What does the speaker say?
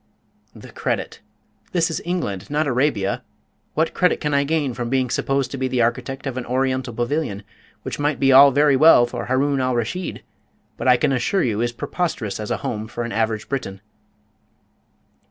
"The credit! This is England, not Arabia. What credit can I gain from being supposed to be the architect of an Oriental pavilion, which might be all very well for Haroun al Raschid, but I can assure you is preposterous as a home for an average Briton?"